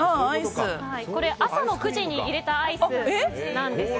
これ、朝の９時に入れたアイスなんです。